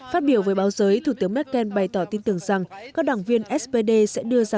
phát biểu với báo giới thủ tướng merkel bày tỏ tin tưởng rằng các đảng viên spd sẽ đưa ra quyết định có trách nhiệm